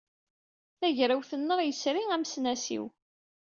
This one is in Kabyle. Tagrawt-nneɣ yesri amesnasiw.